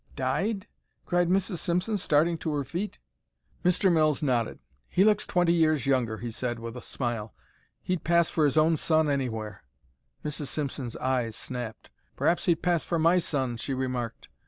"Dyed?" cried Mrs. Simpson, starting to her feet. Mr. Mills nodded. "He looks twenty years younger," he said, with a smile. "He'd pass for his own son anywhere." Mrs. Simpson's eyes snapped. "Perhaps he'd pass for my son," she remarked.